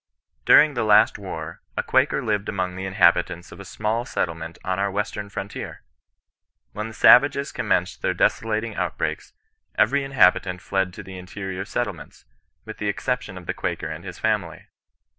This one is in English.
During the last war, a Quaker lived among the inhabitants of a small settlement on our western frontier. When the savages commenced their desolating outbreaks, every inhabitaiit fled to the interior settle ments, with the exception of the Quaker and his family.